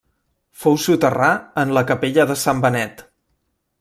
Fou soterrar en la capella de sant Benet.